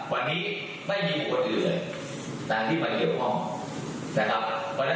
วันนี้ไม่มีโปรชนิดคู่เลย